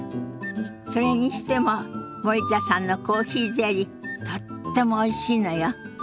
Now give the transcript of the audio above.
それにしても森田さんのコーヒーゼリーとってもおいしいのよ。